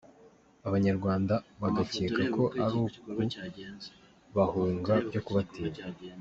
Abanyarwanda bagakeka ko ari ukubahunga byo kubatinya